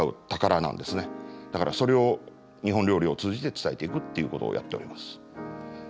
だからそれを日本料理を通じて伝えていくということをやっております。